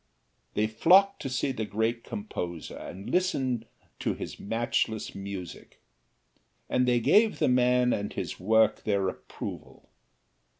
They flocked to see the great composer and listen to his matchless music, and they gave the man and his work their approval.